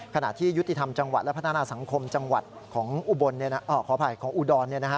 ขณะที่ยุติธรรมจังหวัดและพัฒนาสังคมจังหวัดของอภัยของอุดร